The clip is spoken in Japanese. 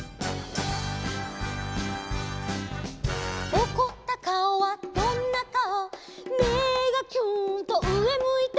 「おこったかおはどんなかお」「目がキューンと上向いて」